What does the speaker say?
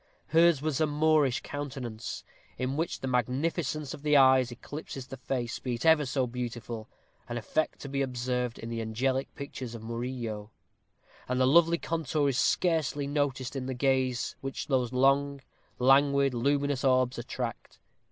Hers was a Moorish countenance, in which the magnificence of the eyes eclipses the face, be it ever so beautiful an effect to be observed in the angelic pictures of Murillo, and the lovely contour is scarcely noticed in the gaze which those long, languid, luminous orbs attract.